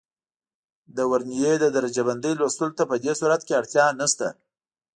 د ورنیې د درجه بندۍ لوستلو ته په دې صورت کې اړتیا نه شته.